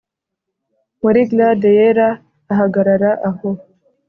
muri glade yera, ahagarara aho,